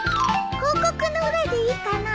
広告の裏でいいかな？